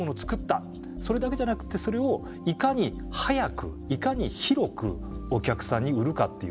それだけじゃなくてそれをいかに早くいかに広くお客さんに売るかっていう。